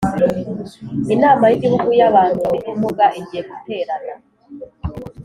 Inama y’ Igihugu y ‘Abantu bafite ubumuga igiye guterana